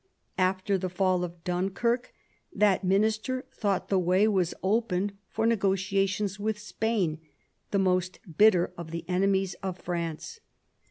After the fall of Dunkirk that minister thought the way was opened for negotiations with Spain, the most bitter of the enemies of France.